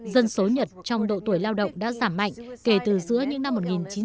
dân số nhật trong độ tuổi lao động đã giảm mạnh kể từ giữa những năm một nghìn chín trăm bảy mươi